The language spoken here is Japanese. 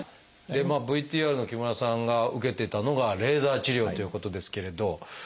ＶＴＲの木村さんが受けてたのがレーザー治療ということですけれど。